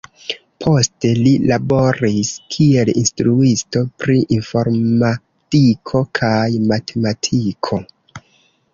Poste li laboris kiel instruisto pri informadiko kaj matematiko.